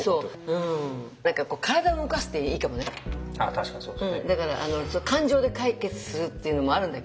確かにそうですね。